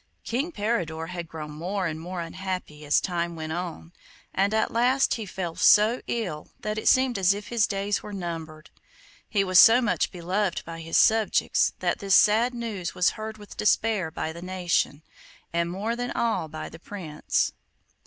King Peridor had grown more and more unhappy as time went on, and at last he fell so ill that it seemed as if his days were numbered. He was so much beloved by his subjects that this sad news was heard with despair by the nation, and more than all by the Prince.